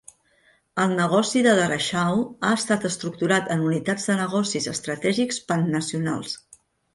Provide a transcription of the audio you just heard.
El negoci de Darashaw ha estat estructurat en unitats de negocis estratègics pannacionals.